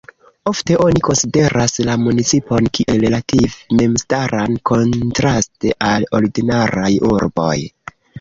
Ofte oni konsideras la municipon kiel relative memstaran, kontraste al ordinaraj urboj.